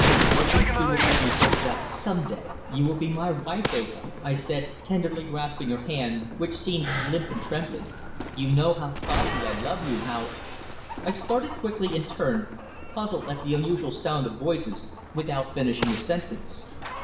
"At least you will give me hope that some day you will be my wife, Eva," I said, tenderly grasping her hand, which seemed limp and trembling. "You know how fondly I love you, how " I started quickly and turned, puzzled at the unusual sound of voices, without finishing the sentence.